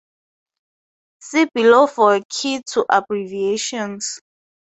See below for a key to abbreviations.